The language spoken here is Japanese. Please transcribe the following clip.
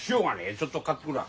ちょっと買ってくらあ。